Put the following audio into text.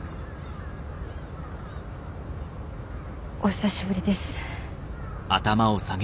お久しぶりです。